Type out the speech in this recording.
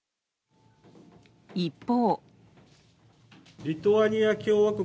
一方。